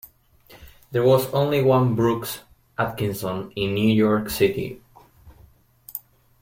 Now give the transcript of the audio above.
There was only one Brooks Atkinson in New York City.